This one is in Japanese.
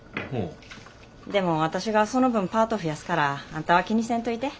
でも私がその分パート増やすからあんたは気にせんといて。